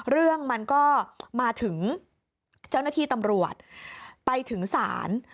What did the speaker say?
เรื่องมันก็มาถึงเจ้าหน้าที่ตำรวจไปถึงศาล